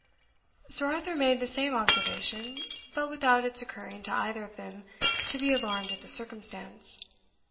Sir Arthur made the same observation, but without its occurring to either of them to be alarmed at the circumstance.